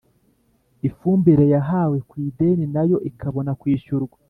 ifumbire yahawe ku ideni, nayo ikabona kwishyurwa